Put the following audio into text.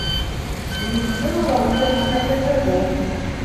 Медицинала ундай хәлдәр теркәлгән.